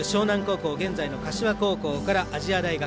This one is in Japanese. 現在の柏高校から、亜細亜大学。